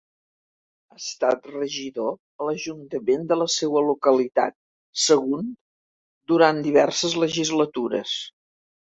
Ha estat regidor a l'ajuntament de la seua localitat, Sagunt, durant diverses legislatures.